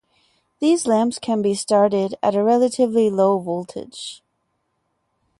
These lamps can be started at a relatively low voltage.